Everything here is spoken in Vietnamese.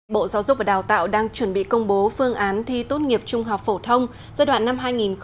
bộ giáo dục và đào tạo đang chuẩn bị công bố phương án thi tốt nghiệp trung học phổ thông giai đoạn năm hai nghìn hai mươi hai nghìn hai mươi năm